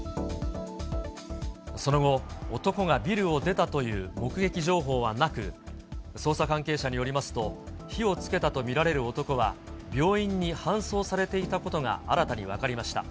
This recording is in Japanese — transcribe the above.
その後、男がビルを出たという目撃情報はなく、捜査関係者によりますと、火をつけたと見られる男は、病院に搬送されていたことが新たに分かりました。